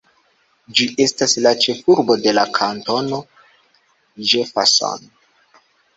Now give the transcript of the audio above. Ĝi estas la ĉefurbo de la Kantono Jefferson.